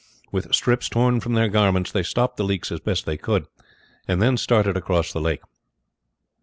With strips torn from their garments they stopped the leaks as best they could, and then started across the lake.